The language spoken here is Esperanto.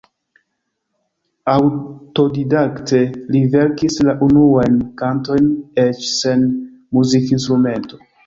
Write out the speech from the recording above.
Aŭtodidakte li verkis la unuajn kantojn, eĉ sen muzikinstrumento.